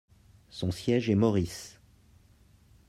Son siège est Morris.